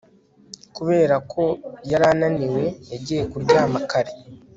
Kubera ko yari ananiwe yagiye kuryama kare